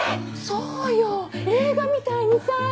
そうよ映画みたいにさ。